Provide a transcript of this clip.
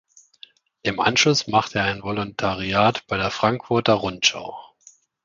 Im Anschluss machte er ein Volontariat bei der Frankfurter Rundschau.